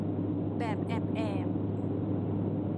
แบบแอบแอบ